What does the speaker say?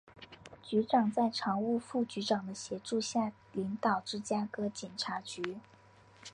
局长在常务副局长的协助下领导芝加哥警察局。